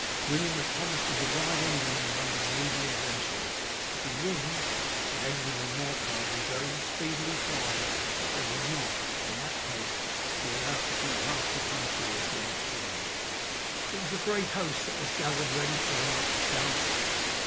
William has promised to divide England among his needy adventurers if he wins, and Edwin and Morcar will very speedily find that they will not, in that case, be allowed to keep half the country as their share." It was a great host that was gathered ready for the march south.